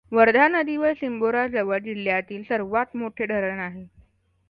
वर्धा नदीवर सिंबोराजवळ जिल्ह्यातील सर्वात मोठे धरण आहे.